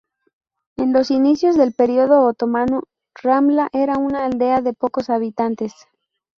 En los inicios del período otomano, Ramla era una aldea de pocos habitantes.